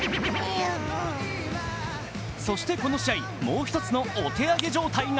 そして、この試合、もう一つのお手上げ状態が。